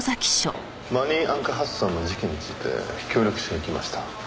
マニー・アンカハスさんの事件について協力しに来ました。